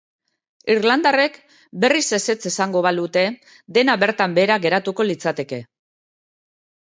Irlandarrek berriz ezetz esango balute, dena bertan behera geratuko litzateke.